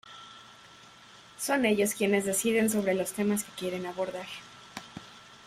Son ellos quienes deciden sobre los temas que quieren abordar.